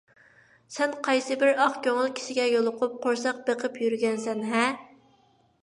سەن قايسىبىر ئاق كۆڭۈل كىشىگە يولۇقۇپ، قورساق بېقىپ يۈرگەنسەن - ھە!